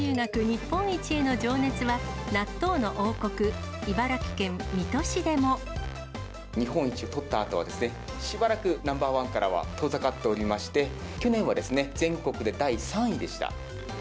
日本一への情熱は、納豆の王国、日本一を取ったあとは、しばらくナンバーワンからは遠ざかっておりまして、去年は全国で第３位でした。